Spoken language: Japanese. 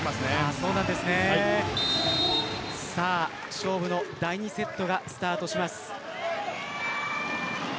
勝負の第２セットがスタートします。